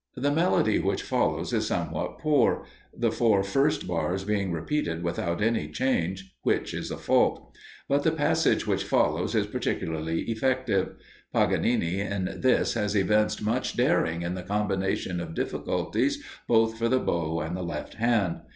The melody which follows is somewhat poor the four first bars being repeated without any change which is a fault; but the passage which follows is particularly effective. Paganini in this has evinced much daring in the combination of difficulties, both for the bow and the left hand.